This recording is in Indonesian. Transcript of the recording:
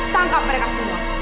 tangkap mereka semua